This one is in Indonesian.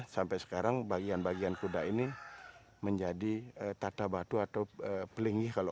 sampai sekarang bagian bagian kuda ini menjadi tata batu atau pelingi